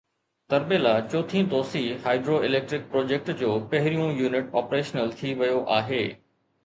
تربيلا چوٿين توسيع hydro electric project جو پهريون يونٽ آپريشنل ٿي ويو آهي